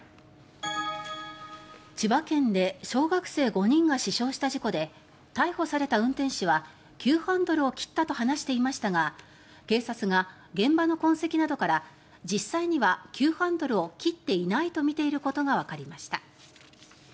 千葉県で小学生５人が死傷した事故で逮捕された運転手は急ハンドルを切ったと話していましたが警察が現場の痕跡などから実際には急ハンドルを切っていないとみていることがわかりました。